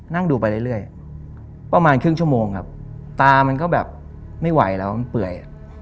นั่งดูไปเรื่อยประมาณครึ่งชั่วโมงครับตามันก็แบบไม่ไหวแล้วมันเปื่อย